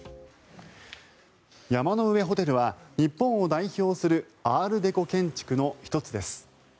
山の上ホテルは日本を代表するアールデコ建築の１つです。